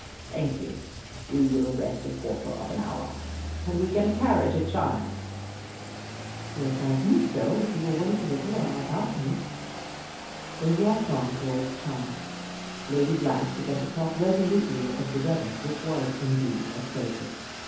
"Thank you. We will rest a quarter of an hour. Can we get a carriage at Charnex?" "Yes, I think so, if you will wait a little on our balcony." They walked on towards Charnex. Lady Blanche began to talk resolutely of the weather, which was, indeed, atrocious.